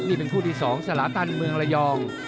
นี่เป็นคู่ที่๒สลาตันเมืองระยอง